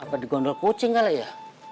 apa di gondol kucing kali ya